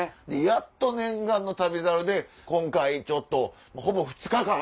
やっと念願の『旅猿』で今回ちょっとほぼ２日間？